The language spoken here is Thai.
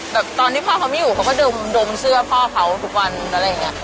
ตอนที่พ่อเขาไม่อยู่เขาก็ดมเสื้อพ่อเขาทุกวันอะไรอย่างนี้